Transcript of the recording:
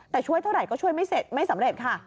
แต่ช่วยเท่าไหร่ก็ช่วยไม่สำเร็จค่ะ